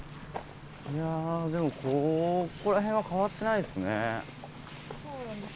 ここら辺は変わってないですね。